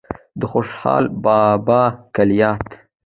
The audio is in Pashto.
د خوشال بابا کلیات